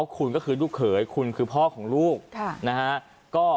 คุณก็คือลูกเขยคุณคือพ่อของลูกนะฮะ